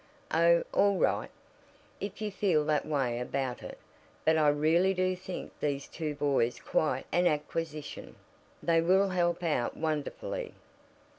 "Oh, all right, if you feel that way about it. But I really do think these two boys quite an acquisition. They will help out wonderfully."